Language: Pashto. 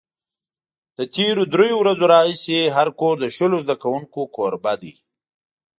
له تېرو درېیو ورځو راهیسې هر کور د شلو زده کوونکو کوربه دی.